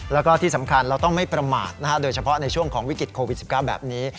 แล้วก็ที่สำคัญเราต้องไม่ประมาทโดยเฉพาะในช่วงของวิกฤตโควิด๑๙แบบนี้